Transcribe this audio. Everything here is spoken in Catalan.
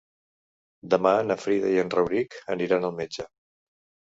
Demà na Frida i en Rauric aniran al metge.